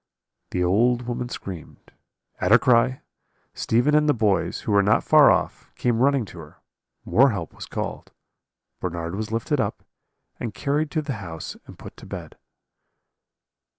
"The old woman screamed; at her cry, Stephen and the boys, who were not far off, came running to her; more help was called, Bernard was lifted up, and carried to the house and put to bed.